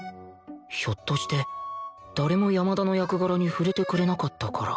ひょっとして誰も山田の役柄に触れてくれなかったから